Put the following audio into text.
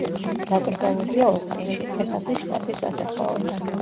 დაკრძალულია ოსტინში, ტეხასის შტატის სასაფლაოზე.